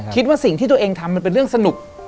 คิดว่าสิ่งที่ตัวเองทำมันเป็นเรื่องสนุก